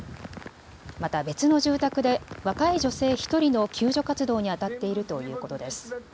また別の住宅で若い女性１人の救助活動にあたっているということです。